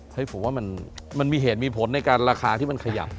ผมว่ามันมีเหตุมีผลในการราคาที่มันขยับ